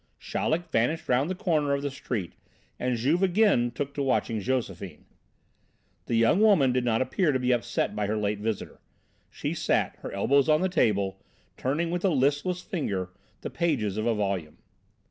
Chaleck vanished round the corner of the street, and Juve again took to watching Josephine! The young woman did not appear to be upset by her late visitor. She sat, her elbows on the table, turning with a listless finger the pages of a volume.